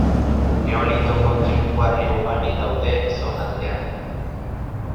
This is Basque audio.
Neolitoko triku-harri ugari daude zonaldean.